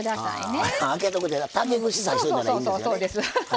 そうです。